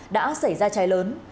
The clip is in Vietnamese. đã xảy ra cháy lớn